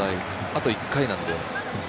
あと１回なので。